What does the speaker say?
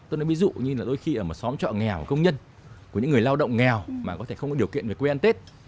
tôi nói ví dụ như là đôi khi ở một xóm trọ nghèo và công nhân của những người lao động nghèo mà có thể không có điều kiện về quê ăn tết